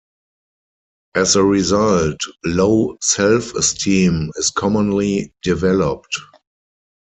As a result, low self-esteem is commonly developed.